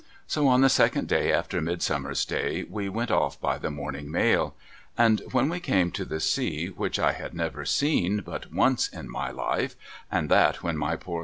So on the second day after Midsummer Day we went off by the morning mail. And when we came to the sea 368 INIRS. LIRRIPER'S LEGACY whidi I had never seen but once in my life and that when my poor l.